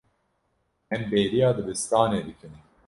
Em bêriya dibistanê dikin.